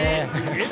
えっ？